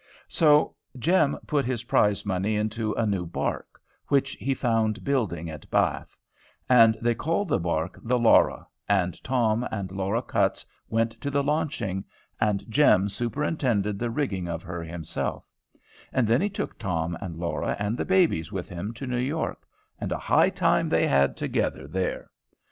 So Jem put his prize money into a new bark, which he found building at Bath; and they called the bark the "Laura," and Tom and Laura Cutts went to the launching, and Jem superintended the rigging of her himself; and then he took Tom and Laura and the babies with him to New York, and a high time they had together there.